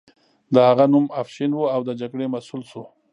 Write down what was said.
د هغه نوم افشین و او د جګړې مسؤل شو.